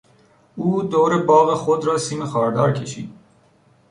او دور باغ خود را سیم خاردار کشید.